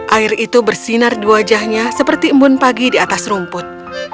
air itu bersinar di wajahnya seperti embun pagi di atas rumput